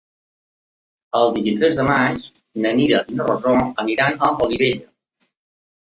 El vint-i-tres de maig na Mira i na Rosó iran a Olivella.